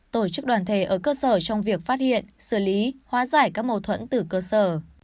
tổ chức đoàn thể ở cơ sở trong việc phát hiện xử lý hóa giải các mâu thuẫn từ cơ sở